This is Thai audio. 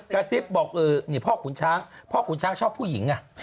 กระซิบบอกเออนี่พ่อขุนช้างพ่อขุนช้างชอบผู้หญิง